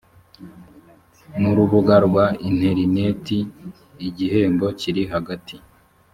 n urubuga rwa interineti igihembo kiri hagati